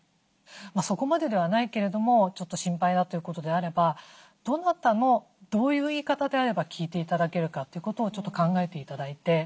そこまでではないけれどもちょっと心配だということであればどなたのどういう言い方であれば聞いて頂けるかということをちょっと考えて頂いて。